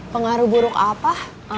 pengaruh buruk apa